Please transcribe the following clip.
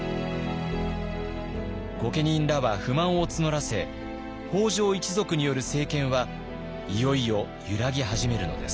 御家人らは不満を募らせ北条一族による政権はいよいよ揺らぎ始めるのです。